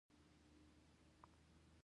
کارګر بیا هم څلور ساعته د ځان لپاره کار کوي